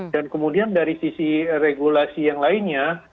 kemudian dari sisi regulasi yang lainnya